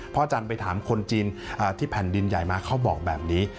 อาจารย์ไปถามคนจีนที่แผ่นดินใหญ่มาเขาบอกแบบนี้